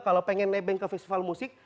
kalau pengen nebeng ke festival musik